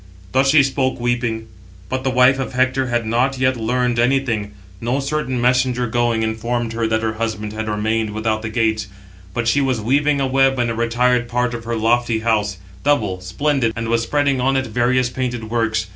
Thus she spoke, weeping; but the wife of Hector had not yet learned anything: no certain messenger going, informed her that her husband had remained without the gates; but she was weaving a web in a retired part of her lofty house; double, splendid, and was spreading on it various painted works.